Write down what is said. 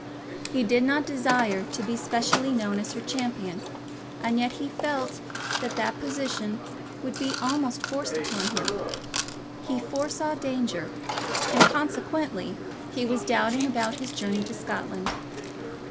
He did not desire to be specially known as her champion, and yet he felt that that position would be almost forced upon him. He foresaw danger, and consequently he was doubting about his journey to Scotland.